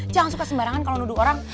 jangan suka sembarangan kalau nuduh orang